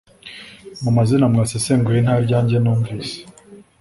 mu mazina mwasesenguye ntaryange numvise